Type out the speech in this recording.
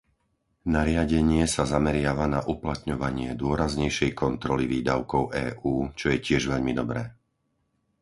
Nariadenie sa zameriava na uplatňovanie dôraznejšej kontroly výdavkov EÚ, čo je tiež veľmi dobré.